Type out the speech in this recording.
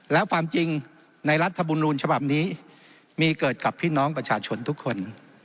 แล้วความจริงในรัฐบุญนูลฉบับนี้มีเกิดกับพี่น้องประชาชนทุกคน